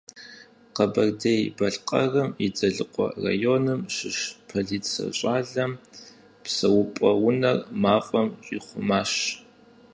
Къэбэрдей-Балъкъэрым и Дзэлыкъуэ районым щыщ полицэ щӏалэм псэупӀэ унэр мафӀэм щихъумащ.